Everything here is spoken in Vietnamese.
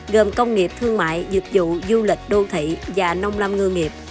gồm công nghiệp thương mại dịch vụ du lịch đô thị và nông lâm ngư nghiệp